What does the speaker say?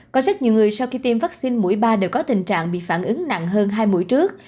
có rất nhiều người sau khi tiêm vaccine mũi ba đều có tình trạng bị phản ứng nặng hơn hai mũi trước